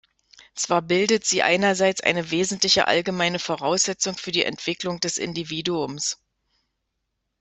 Zwar bildet sie einerseits eine wesentliche allgemeine Voraussetzung für die Entwicklung des Individuums.